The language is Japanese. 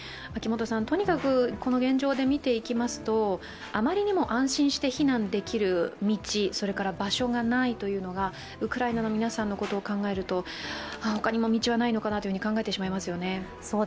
とにかく、この現状で見ていきますと、あまりにも安心して避難できる道、場所がないというのがウクライナの皆さんのことを考えると、他にも道はないのかなと考えてしまいますよね。